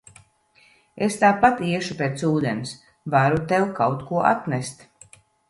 Es tāpat iešu pēc ūdens, varu tev kaut ko atnest.